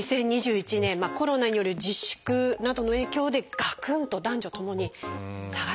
２０２１年コロナによる自粛などの影響でがくんと男女ともに下がってしまってるんです。